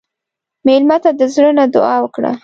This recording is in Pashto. مېلمه ته د زړه نه دعا وکړه.